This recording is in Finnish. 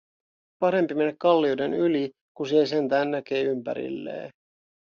Parempi mennä kallioiden yli, ku siel sentää näkee ympärillee."